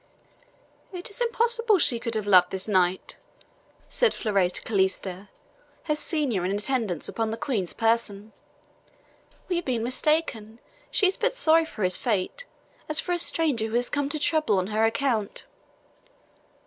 "It is impossible she can have loved this knight," said Florise to Calista, her senior in attendance upon the Queen's person. "We have been mistaken; she is but sorry for his fate, as for a stranger who has come to trouble on her account."